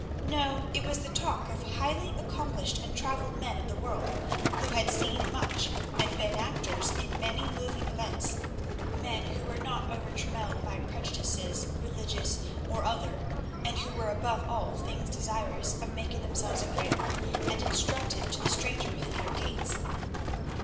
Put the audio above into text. No, it was the talk of highly accomplished and travelled men of the world, who had seen much and been actors in many moving events; men who were not overtrammelled by prejudices, religious or other, and who were above all things desirous of making themselves agreeable and instructive to the stranger within their gates.